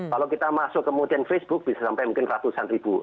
kalau kita masuk kemudian facebook bisa sampai mungkin ratusan ribu